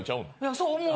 そう思う。